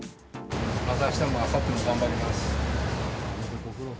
またあしたもあさっても頑張ります。